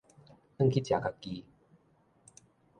轉去食家己